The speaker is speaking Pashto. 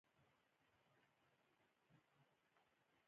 مېرمن نېکبخته د شېخ لور وه.